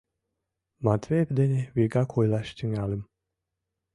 Матвеев дене вигак ойлаш тӱҥальым.